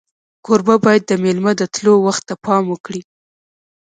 کوربه باید د میلمه د تلو وخت ته پام وکړي.